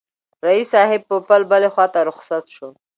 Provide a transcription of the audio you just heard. رییس صاحب پوپل بلي خواته رخصت شو.